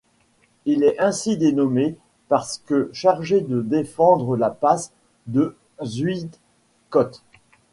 Il est ainsi dénommé parce que chargé de défendre la passe de Zuydcoote.